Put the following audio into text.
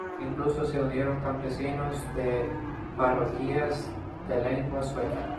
Incluso se unieron campesinos de parroquias de lengua sueca.